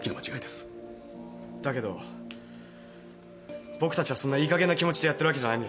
だけど僕たちはそんないいかげんな気持ちでやってるわけじゃないんです。